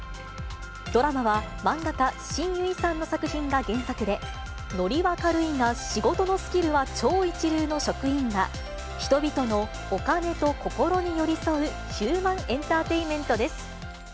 ドラマは漫画家、慎結さんの作品が原作で、ノリは軽いが、仕事のスキルは超一流の職員が、人々のお金と心に寄り添うヒューマンエンターテインメントです。